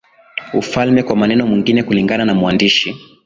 ufalme Kwa maneno mengine kulingana na mwandishi